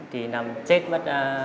thì chết bất ngờ